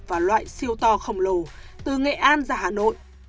và loại siêu to khổng lồ từ nghệ an ra hà nội